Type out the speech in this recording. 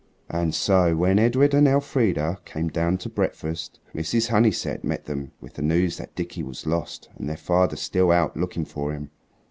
And so, when Edred and Elfrida came down to breakfast, Mrs. Honeysett met them with the news that Dickie was lost and their father still out looking for him.